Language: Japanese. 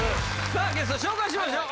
さあゲスト紹介しましょう。